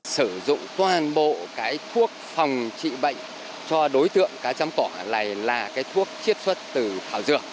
sử dụng toàn bộ thuốc phòng trị bệnh cho đối tượng cá chấm cỏ này là thuốc chất xuất từ thảo dược